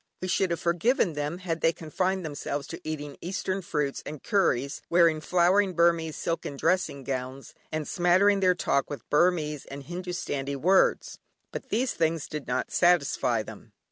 We should have forgiven them, had they confined themselves to eating Eastern fruits and curries, wearing flowing Burmese silken dressing gowns, and smattering their talk with Burmese and Hindustani words. But these things did not satisfy them.